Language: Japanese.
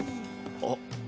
あっ。